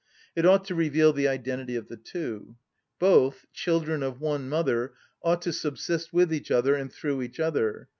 It ought to reveal the identity of the two. Both, children of one mother, ought to subsist with each other and through each other."